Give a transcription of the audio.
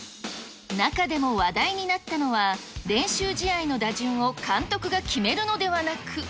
中でも話題になったのは、練習試合の打順を監督が決めるのではなく。